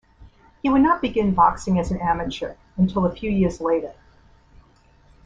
He would not begin boxing as an amateur until a few years later.